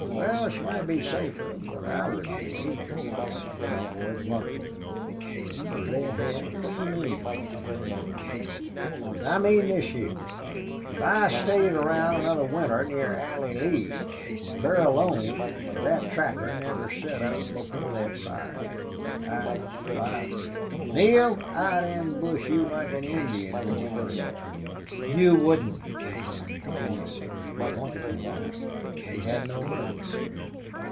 "Wal, she might be safer, but I wouldn't be," declared the cowboy, bluntly. "You red head! What do you mean?" demanded Neale. "I mean this heah. If I stayed around another winter near Allie Lee with her alone, fer thet trapper never set up before thet fire I'd why, Neale, I'd ambush you like an Injun when you come back!" "You wouldn't," rejoined Neale. He wanted to laugh but had no mirth.